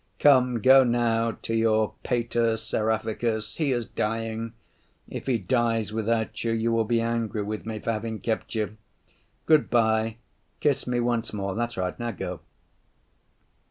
Come, go now to your Pater Seraphicus, he is dying. If he dies without you, you will be angry with me for having kept you. Good‐by, kiss me once more; that's right, now go."